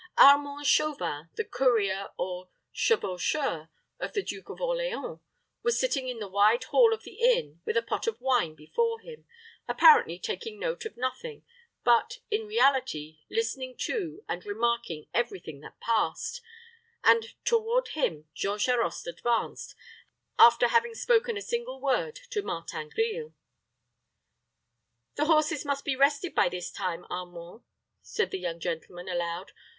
Armand Chauvin, the courier or chevaucheur of the Duke of Orleans, was sitting in the wide hall of the inn, with a pot of wine before him, apparently taking note of nothing, but, in reality, listening to and remarking every thing that passed; and toward him Jean Charost advanced, after having spoken a single word to Martin Grille. "The horses must be rested by this time, Armand," said the young gentleman, aloud.